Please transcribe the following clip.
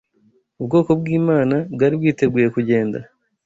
Ubwoko bw’Imana bwari bwiteguye kugenda